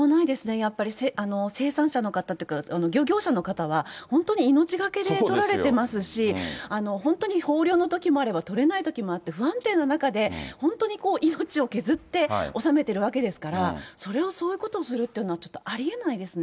やっぱり生産者の方というか、漁業者の方は、本当に命懸けで取られてますし、本当に豊漁のときもあれば取れないときもあって、不安定な中で、本当にこう、命を削って収めているわけですから、それをそういうことをするっていうのは、ちょっとありえないですね。